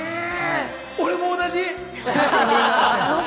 俺も同じ。